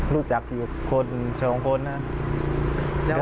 รู้จักอยู่คนสองคนนะ